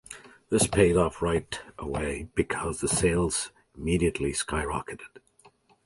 This paid off right away because the sales immediately skyrocketed.